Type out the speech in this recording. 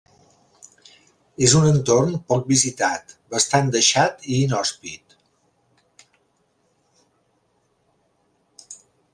És un entorn poc visitat, bastant deixat i inhòspit.